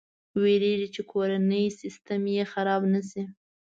ویرېږي چې کورنی سیسټم یې خراب نه شي.